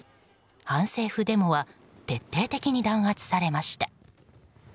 反政府デモは徹底的に弾圧されました。